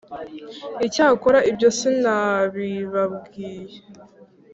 Icyakora ibyo sinabibabwiye